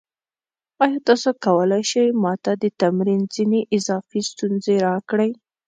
ایا تاسو کولی شئ ما ته د تمرین ځینې اضافي ستونزې راکړئ؟